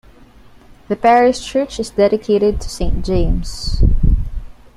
The parish church is dedicated to Saint James.